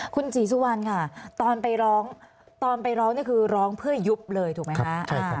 คุณศรีสุวรรณค่ะตอนไปร้องตอนไปร้องนี่คือร้องเพื่อยุบเลยถูกไหมคะ